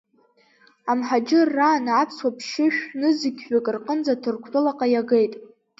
Амҳаџьырраан аԥсуаа ԥшьышә-нызқьҩык рҟынӡа Ҭырқәтәылаҟа иагеит…